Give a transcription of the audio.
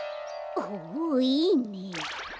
ほおいいね。